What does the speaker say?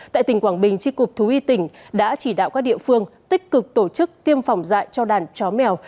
tại tỉnh quảng bình tri cục thú y tỉnh đã chỉ đạo các địa phương tích cực tổ chức tiêm phòng dạy cho đàn chó mèo